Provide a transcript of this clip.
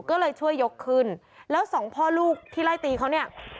ก็เลยช่วยยกขึ้นแล้วสองพ่อลูกที่ไล่ตีเขาเนี่ย